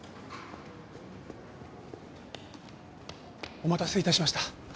お待たせ致しました。